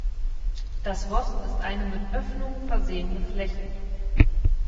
Das Rost ist eine mit Öffnungen versehene Fläche.